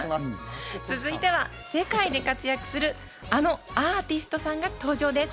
続いては世界で活躍する、あのアーティストさんが登場です。